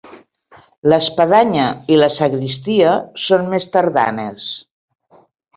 L'espadanya i la sagristia són més tardanes.